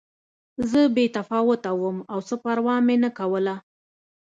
زه بې تفاوته وم او څه پروا مې نه کوله